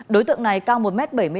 đối tượng này cao một m bảy mươi năm